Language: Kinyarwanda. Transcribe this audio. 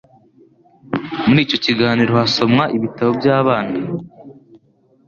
Muri icyo kiganiro hasomwa ibitabo by'abana